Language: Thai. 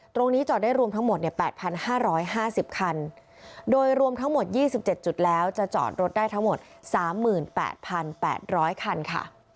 จอดได้รวมทั้งหมด๘๕๕๐คันโดยรวมทั้งหมด๒๗จุดแล้วจะจอดรถได้ทั้งหมด๓๘๘๐๐คันค่ะ